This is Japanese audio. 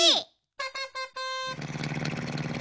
ププププ。